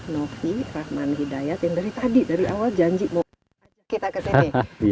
novi rahman hidayat yang dari tadi dari awal janji mau masuk kita kesini